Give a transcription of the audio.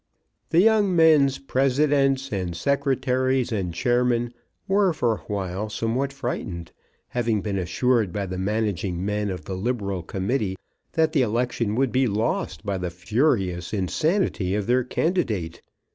The young men's presidents, and secretaries, and chairmen were for awhile somewhat frightened, having been assured by the managing men of the liberal committee that the election would be lost by the furious insanity of their candidate.